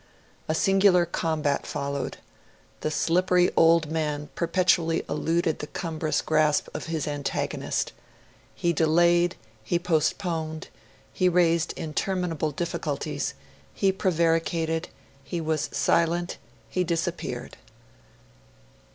A singular combat followed. The slippery old man perpetually eluded the cumbrous grasp of his antagonist. He delayed, he postponed, he raised interminable difficulties, he prevaricated, he was silent, he disappeared.